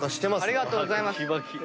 ありがとうございます。